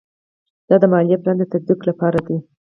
دا د مالي پلان د تطبیق لپاره دی.